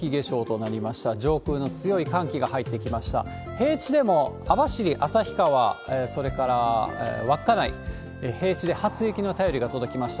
平地でも、網走、旭川、それから稚内、平地で初雪の便りが届きました。